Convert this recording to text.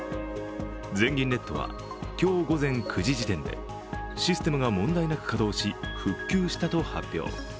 全銀ネットは今日午前９時時点でシステムが問題なく稼働し、復旧したと発表。